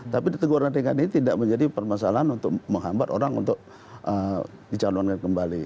tapi teguran ringan ini tidak menjadi permasalahan untuk menghambat orang untuk dicalonkan kembali